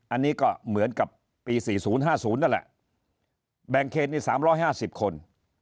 อันนี้ก็เหมือนกับปีสี่ศูนย์ห้าศูนย์นั่นแหละแบงเกจนี่สามร้อยห้าสิบคน